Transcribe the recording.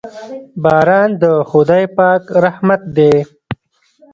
باران د خداے پاک رحمت دے